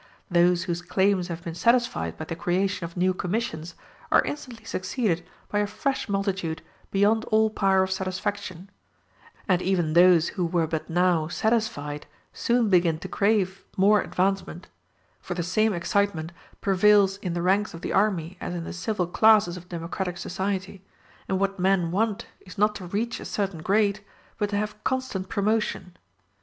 Those whose claims have been satisfied by the creation of new commissions are instantly succeeded by a fresh multitude beyond all power of satisfaction; and even those who were but now satisfied soon begin to crave more advancement; for the same excitement prevails in the ranks of the army as in the civil classes of democratic society, and what men want is not to reach a certain grade, but to have constant promotion.